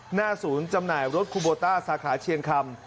หน้าศูนย์จำหน่ายรถคูโบต้าสาขาเชียงคำ